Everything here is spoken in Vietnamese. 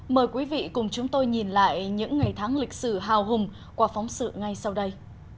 mời quý vị cùng chúng tôi nhìn lại những ngày tháng lịch sử hào hùng qua phóng sự ngay sau đây